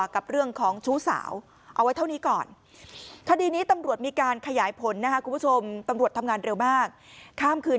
กับเรื่องของชู้สาวเอาไว้เท่านี้ก่อน